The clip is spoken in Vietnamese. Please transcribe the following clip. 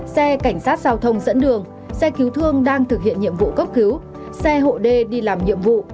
xe cảnh sát giao thông dẫn đường xe cứu thương đang thực hiện nhiệm vụ cấp cứu xe hộ đê đi làm nhiệm vụ